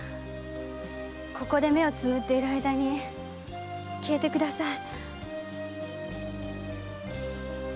ここで目をつぶっている間に消えてください。